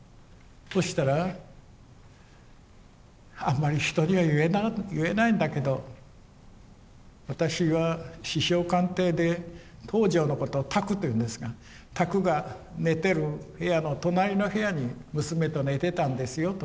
そしたらあんまり人には言えないんだけど私は首相官邸で東條のことを宅と言うんですが宅が寝てる部屋の隣の部屋に娘と寝てたんですよと。